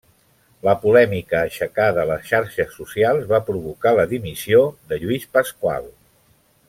La polèmica aixecada a les xarxes socials va provocar la dimissió de Lluís Pasqual.